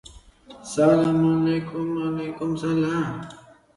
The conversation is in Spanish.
Y vosotros de Cristo; y Cristo de Dios.